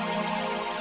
nah nelang gua